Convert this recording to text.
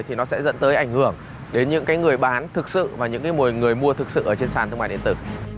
thì nó sẽ dẫn tới ảnh hưởng đến những người bán thực sự và những người mua thực sự ở trên sàn thương mại điện tử